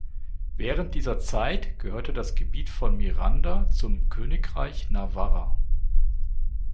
Während dieser Zeit gehörte das Gebiet von Miranda zum Königreich Navarra.